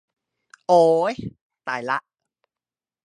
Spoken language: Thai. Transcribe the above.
โอ้ย ตายละ